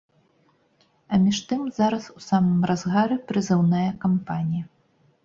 А між тым зараз у самым разгары прызыўная кампанія.